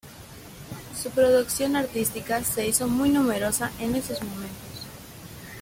Su producción artística se hizo muy numerosa en esos momentos.